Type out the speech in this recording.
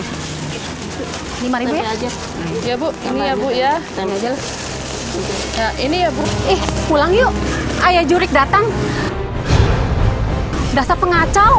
hai lima aja ya bu ini ya bu ya ini ya bu pulang yuk ayah jurik datang dasar pengacau